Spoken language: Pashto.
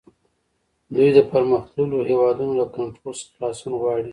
دوی د پرمختللو هیوادونو له کنټرول څخه خلاصون غواړي